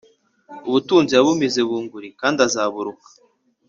Ubutunzi yabumize bunguri kandi azaburuka